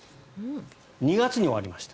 ２月に終わりました。